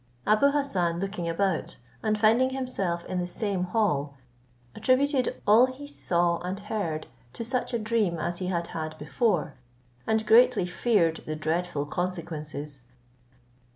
Abou Hassan looking about, and finding himself in the same hall, attributed all he saw and heard to such a dream as he had had before, and greatly feared the dreadful consequences.